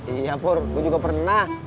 iya pur gue juga pernah